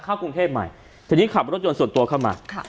เข้ากรุงเทพใหม่ทีนี้ขับรถยนต์ส่วนตัวเข้ามาค่ะ